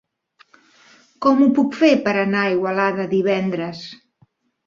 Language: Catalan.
Com ho puc fer per anar a Igualada divendres?